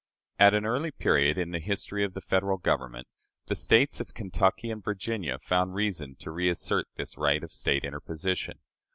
At an early period in the history of the Federal Government, the States of Kentucky and Virginia found reason to reassert this right of State interposition.